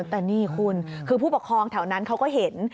แต่นี่คุณคือผู้ปกครองแถวนั้นเขาก็เห็น